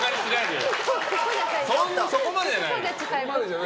そこまでじゃないよ。